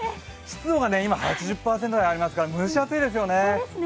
湿度が今８０％ぐらいありますから蒸し暑いですよね。